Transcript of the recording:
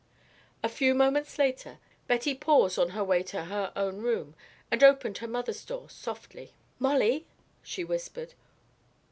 A few moments later, Betty paused on her way to her own room and opened her mother's door softly. "Molly," she whispered.